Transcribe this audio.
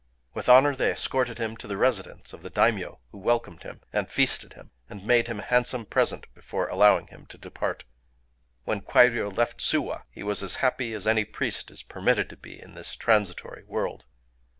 With honor they escorted him to the residence of the daimyō, who welcomed him, and feasted him, and made him a handsome present before allowing him to depart. When Kwairyō left Suwa, he was as happy as any priest is permitted to be in this transitory world.